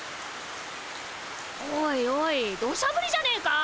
おいおいどしゃぶりじゃねえか。